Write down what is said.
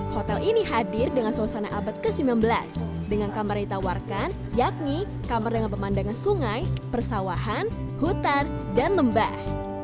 hotel ini hadir dengan suasana abad ke sembilan belas dengan kamar yang ditawarkan yakni kamar dengan pemandangan sungai persawahan hutan dan lembah